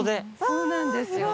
そうなんですよ。